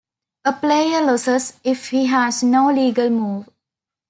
A player loses if he has no legal move.